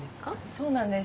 そうなんです。